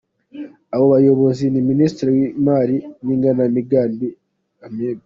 Abo bayobozi ni Minisitiri w’ imari n’ igenamigambi Amb.